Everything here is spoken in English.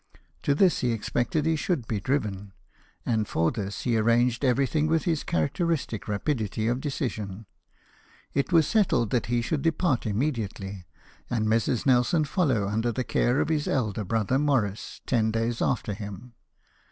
To this he expected he should be driven, and fpr this he arranged everything, with his characteristic rapidity of decision. It was settled that he should depart immediately, and Mrs. Nelson follow under the care of his elder brother, Maurice, ten days after him.